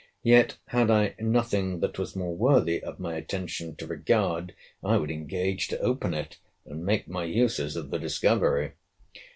—Yet, had I nothing that was more worthy of my attention to regard, I would engage to open it, and make my uses of the discovery.